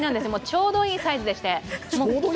ちょうどいいサイズでして。